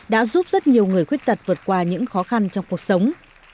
đã giúp rất nhiều người khuyết tật vượt qua những khó khăn trong cuộc sống